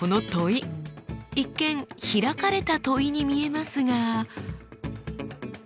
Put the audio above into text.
一見開かれた問いに見えますが。